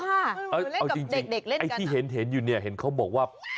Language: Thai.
มันเล่นกับเด็กเล่นกันอ่ะเอาจริงไอ้ที่เห็นอยู่เนี่ยเห็นเขาบอกว่า